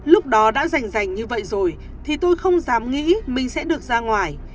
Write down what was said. lúc đó đã rành rành như vậy rồi thì tôi không dám nghĩ mình sẽ được ra ngoài